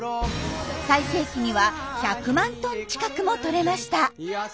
最盛期には１００万トン近くもとれました。